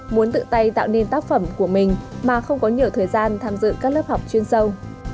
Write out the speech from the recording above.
muốn tự tay tạo nên tác phẩm của mình mà không có nhiều thời gian tham dự các lớp học chuyên sâu